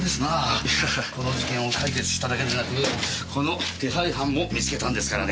この事件を解決しただけでなくこの手配犯も見つけたんですからね。